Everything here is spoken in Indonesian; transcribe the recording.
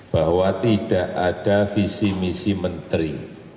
bahwa tidak ada visi misi menteri